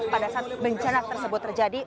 pada saat bencana tersebut terjadi